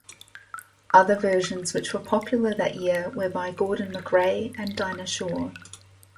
Other versions which were popular that year were by Gordon MacRae and Dinah Shore.